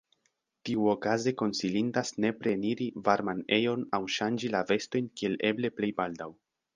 Tiuokaze konsilindas nepre eniri varman ejon aŭ ŝanĝi la vestojn kiel eble plej baldaŭ.